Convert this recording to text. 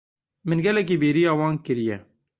Min gelekî bêriya wan kiriye.